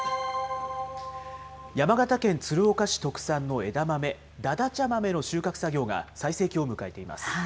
山形県鶴岡市特産の枝豆、だだちゃ豆の収穫作業が最盛期を迎えています。